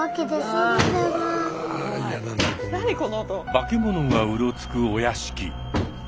化け物がうろつくお屋敷。